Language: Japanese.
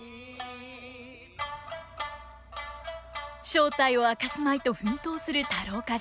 正体を明かすまいと奮闘する太郎冠者。